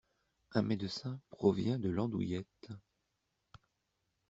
Un médecin provient de l'andouillette!